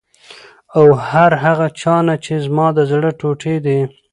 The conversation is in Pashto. او هر هغه چا نه چې زما د زړه ټوټې دي،